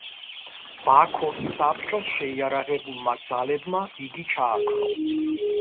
ბაქოს საბჭოს შეიარაღებულმა ძალებმა იგი ჩააქრო.